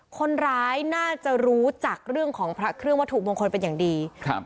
คนร้ายน่าจะรู้จักเรื่องของพระเครื่องวัตถุมงคลเป็นอย่างดีครับ